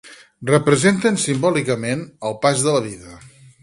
Representen simbòlicament el pas de la vida.